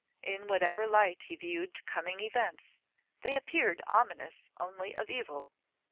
In whatever light he viewed coming events, they appeared ominous only of evil.